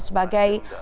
sebagai bakal pemerintah